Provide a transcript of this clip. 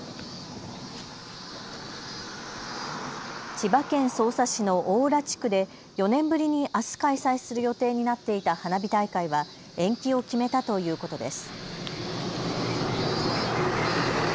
千葉県匝瑳市の大浦地区で４年ぶりにあす開催する予定になっていた花火大会は延期を決めたということです。